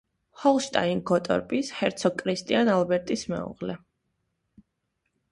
ჰოლშტაინ-გოტორპის ჰერცოგ კრისტიან ალბერტის მეუღლე.